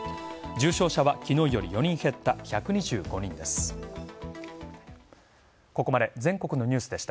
重症者は昨日より４人減った１２５人です。